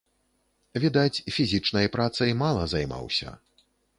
Відаць, фізічнай працай мала займаўся.